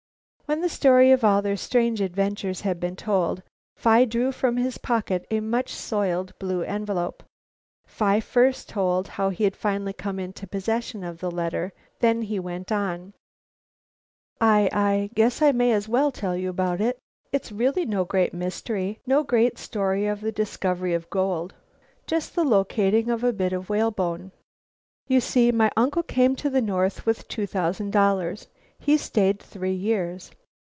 When the story of all their strange adventures had been told Phi drew from his pocket a much soiled blue envelope. Phi first told how he had finally come into possession of the letter, then he went on: "I I guess I may as well tell you about it. It's really no great mystery, no great story of the discovery of gold. Just the locating of a bit of whalebone. "You see, my uncle came to the North with two thousand dollars. He stayed three years.